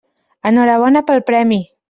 Enhorabona pel premi.